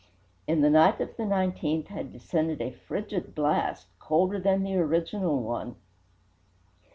In the night of the 19th had descended a frigid blast, colder than the original one.